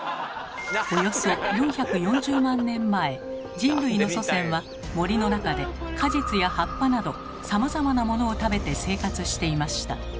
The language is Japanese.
人類の祖先は森の中で果実や葉っぱなどさまざまなものを食べて生活していました。